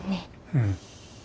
うん。